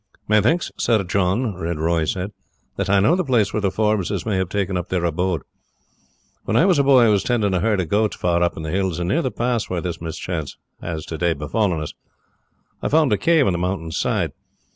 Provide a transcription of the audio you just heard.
"Methinks, Sir John," Red Roy said, "that I know the place where the Forbeses may have taken up their abode. When I was a boy I was tending a herd of goats far up in the hills, and near the pass where this mischance has today befallen us I found a cave in the mountain's side.